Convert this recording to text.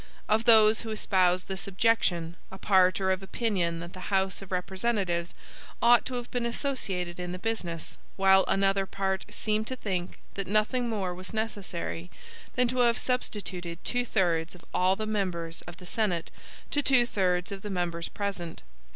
Of those who espouse this objection, a part are of opinion that the House of Representatives ought to have been associated in the business, while another part seem to think that nothing more was necessary than to have substituted two thirds of all the members of the Senate, to two thirds of the members present.